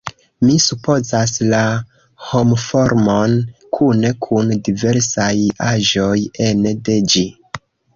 Mi supozas, la homformon kune kun diversaj aĵoj ene de ĝi.